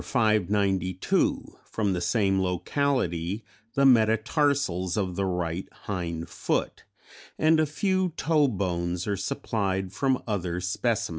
592, from the same locality the metatarsals of the right hind foot; and a few toe bones are supplied from other specimens.